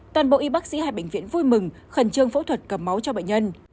toàn bộ y bác sĩ hai bệnh viện vui mừng khẩn trương phẫu thuật cầm máu cho bệnh nhân